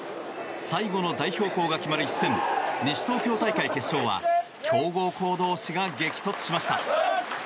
最後の代表校が決まる一戦西東京大会決勝は強豪校同士が激突しました。